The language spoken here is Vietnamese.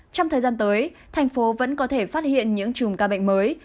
trong thời gian tới thành phố vẫn có thể phát hiện những chùm ca bệnh mới